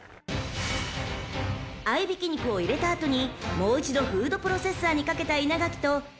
［合いびき肉を入れた後にもう一度フードプロセッサーにかけた稲垣と］